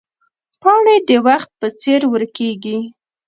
پاڼې د وخت په څېر ورکېږي